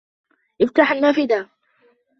افتح النافذة.